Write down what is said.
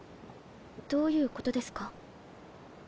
どういうことですか？